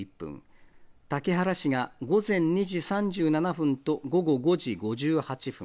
竹原市が午前２時３７分と午後５時５８分。